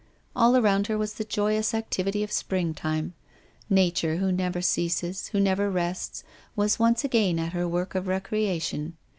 All around her was the joyous activity of springtime. Nature, who never ceases, who never rests, was once again at her work of re creation.